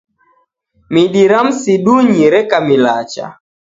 Midi ra msidunyi reka milacha